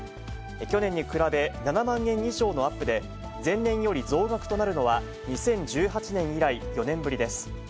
去年に比べ７万円以上のアップで、前年より増額となるのは、２０１８年以来、４年ぶりです。